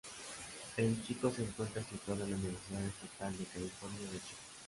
En Chico se encuentra situada la Universidad Estatal de California de Chico.